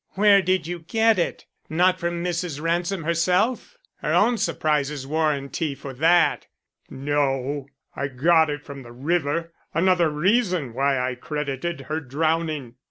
"Where did you get it? Not from Mrs. Ransom herself? Her own surprise is warranty for that." "No, I got it from the river, another reason why I credited her drowning.